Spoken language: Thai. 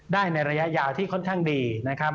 ได้ในระยะยาวที่ค่อนข้างดีนะครับ